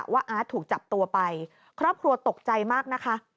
อาร์ตถูกจับตัวไปครอบครัวตกใจมากนะคะ